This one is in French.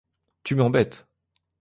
Tu m'embêtes !